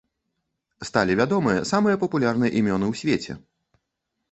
Сталі вядомыя самыя папулярныя імёны ў свеце.